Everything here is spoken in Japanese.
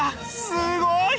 すごい！